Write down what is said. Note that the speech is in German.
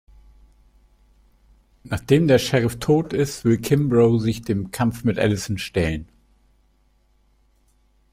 Nachdem der Sheriff tot ist, will Kimbrough sich dem Kampf mit Allison stellen.